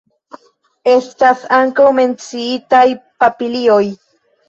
Estas ankaŭ menciitaj papilioj.